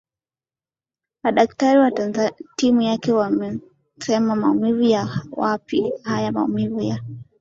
madaktari wa timu yake wamesema maumivu ya wapi haya maumivu ya